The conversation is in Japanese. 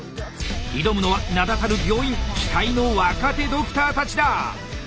挑むのは名だたる病院期待の若手ドクターたちだ！